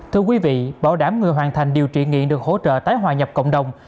thưa quý vị bảo đảm người hoàn thành điều trị nghiện được hỗ trợ tái hòa nhập cộng đồng